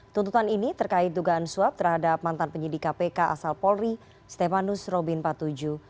tuntutan ini terkait dugaan suap terhadap mantan penyidika pk asal polri stepanus robin patuju